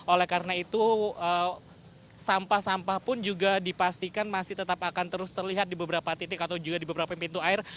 oleh karena itu sampah sampah pun juga dipastikan masih tetap akan terus terlihat di beberapa titik atau juga di beberapa pintu air